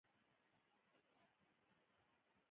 آیا په کلدارو راکړه ورکړه بنده ده؟